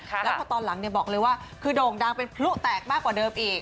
แล้วพอตอนหลังบอกเลยว่าคือโด่งดังเป็นพลุแตกมากกว่าเดิมอีก